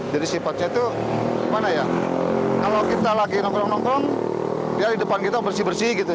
jadi sifatnya itu mana ya kalau kita lagi nongkrong nongkrong dia di depan kita bersih bersih gitu